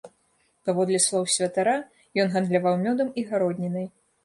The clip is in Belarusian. Паводле слоў святара, ён гандляваў мёдам і гароднінай.